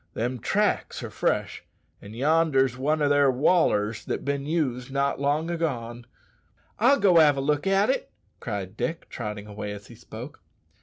Them tracks are fresh, an' yonder's one o' their wallers that's bin used not long agone." "I'll go have a look at it," cried Dick, trotting away as he spoke.